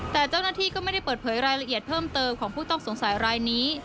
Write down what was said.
แต่เจ้าหน้าที่ก็ไม่ได้เปิดเผยรายละเอียดเพิ่มเติมของผู้ต้องสงสัยรายนี้